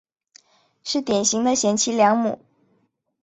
是典型的贤妻良母。